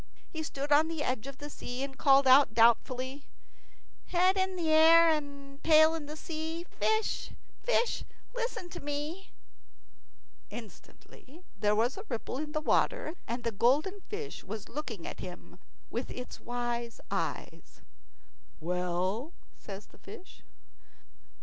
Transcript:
He stood on the edge of the sea and called out, doubtfully, "Head in air and tail in sea, Fish, fish, listen to me." Instantly there was a ripple in the water, and the golden fish was looking at him with its wise eyes. "Well?" says the fish.